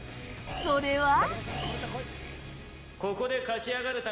それは。